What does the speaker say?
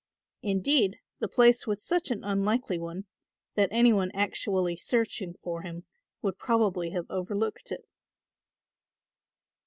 Indeed, the place was such an unlikely one that anybody actually searching for him would probably have overlooked it.